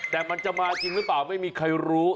แต่มันจะมาจริงหรือเปล่าไม่มีใครรู้